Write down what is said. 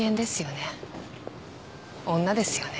女ですよね。